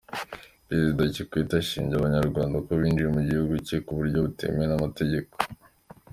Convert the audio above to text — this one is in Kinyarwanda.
Perezida Kikwete ashinja Abanyarwanda ko binjiye mu gihugu cye ku buryo butemewe n’amategeko.